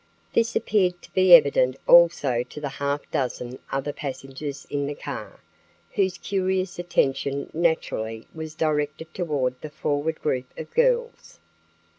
This appeared to be evident also to the half dozen other passengers in the car, whose curious attention naturally was directed toward the forward group of girls.